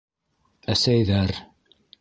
- Әсәйҙәр.